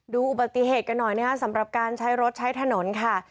อุบัติเหตุกันหน่อยนะครับสำหรับการใช้รถใช้ถนนค่ะ